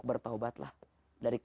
ada juga jam haram